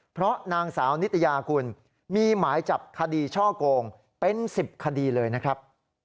เพราะนางสาวนิตยาคุณมีหมายจับคดีช่อโกงเป็น๑๐คดีเลยนะครับ